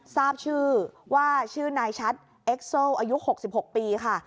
ทราบชื่อว่าชื่อนายชัดเอ็กโซอายุ๖๖ปีค่ะ